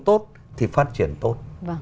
tốt thì phát triển tốt